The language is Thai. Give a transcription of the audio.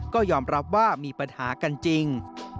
ก็ยอมรับว่ามีปัญหากันจริง